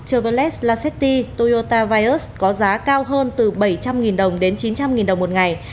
chevrolet lasetti toyota vios có giá cao hơn từ bảy trăm linh đồng đến chín trăm linh đồng một ngày